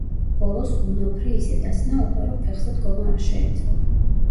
ბოლოს ონოფრე ისე დასნეულდა, რომ ფეხზე დგომა არ შეეძლო.